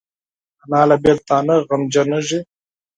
انا له بیلتانه غمجنېږي